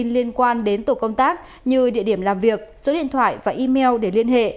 liên quan đến tổ công tác như địa điểm làm việc số điện thoại và email để liên hệ